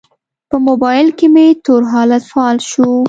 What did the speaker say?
په موبایل کې مې تور حالت فعال شو.